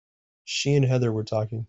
She and Heather were talking.